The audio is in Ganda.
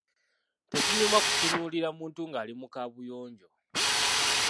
Tekinyuma kutunuulira muntu ng’ali mu Kaabuyonjo.